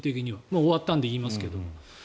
もう終わったので言いますけど。